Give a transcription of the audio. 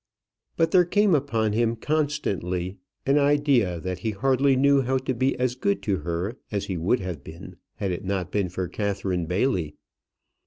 But there came upon him constantly an idea that he hardly knew how to be as good to her as he would have been had it not been for Catherine Bailey.